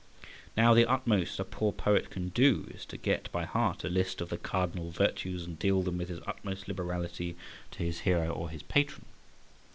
Now the utmost a poor poet can do is to get by heart a list of the cardinal virtues and deal them with his utmost liberality to his hero or his patron.